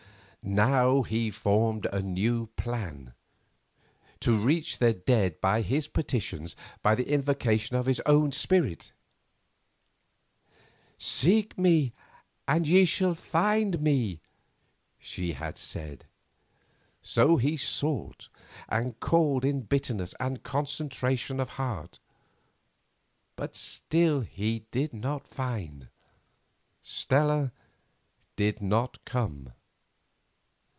Now he formed a new plan—to reach the dead by his petitions, by the invocation of his own spirit. "Seek me and you shall find me," she had said. So he sought and called in bitterness and concentration of heart, but still he did not find. Stella did not come.